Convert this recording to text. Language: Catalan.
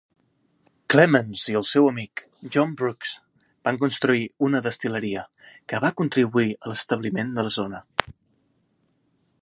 Clemens i el seu amic, John Brooks, van construir una destil·leria, que va contribuir a l'establiment de la zona.